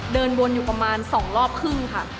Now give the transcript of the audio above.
เดินวนอยู่ประมาณ๒รอบครึ่งค่ะ